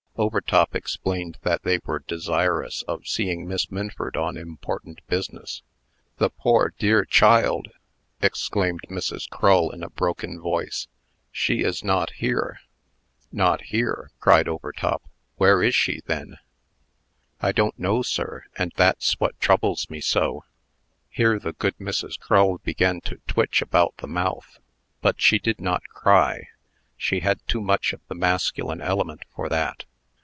Overtop explained that they were desirous of seeing Miss Minford on important business. "The poor, dear child!" exclaimed Mrs. Crull, in a broken voice. "She is not here." "Not here!" cried Overtop. "Where is she, then?" "I don't know, sir; and that's what troubles me so." Here the good Mrs. Crull began to twitch about the mouth. But she did not cry. She had too much of the masculine element for that.